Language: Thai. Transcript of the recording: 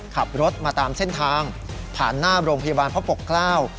ขับรถมาตามเส้นทางผ่านหน้าโรงพยาบาลพระปกเกล้า